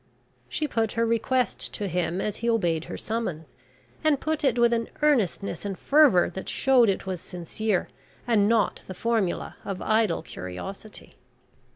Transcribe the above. She put her request to him as he obeyed her summons, and put it with an earnestness and fervour that showed it was sincere, and not the formula of idle curiosity.